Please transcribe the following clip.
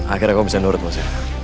akhirnya kau bisa nurut mas